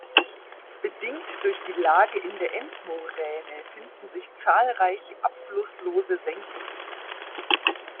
Bedingt durch die Lage in der Endmoräne finden sich zahlreiche abflusslose Senken.